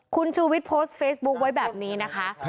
คุณชูวิทย์โพสต์เฟซบุ๊คไว้แบบนี้นะคะ